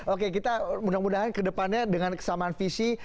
oke kita mudah mudahan kedepannya dengan kesamaan visi